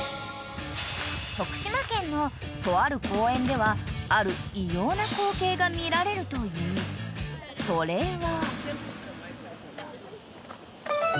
［徳島県のとある公園ではある異様な光景が見られるというそれは］